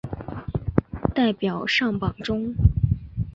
代表上榜中